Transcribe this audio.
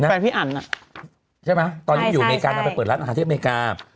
แฟนพี่อันอ่ะใช่มั้ยตอนนี้อยู่อเมริกานั้นไปเปิดรัฐอาทิตย์อเมริกา